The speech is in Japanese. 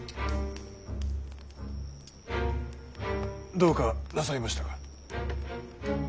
どうかなさいましたか？